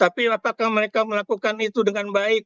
tapi apakah mereka melakukan itu dengan baik